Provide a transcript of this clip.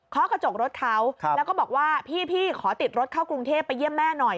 กระจกรถเขาแล้วก็บอกว่าพี่ขอติดรถเข้ากรุงเทพไปเยี่ยมแม่หน่อย